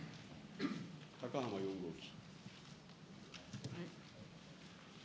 高浜４号機。